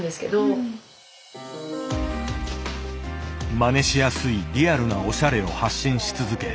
真似しやすいリアルなおしゃれを発信し続け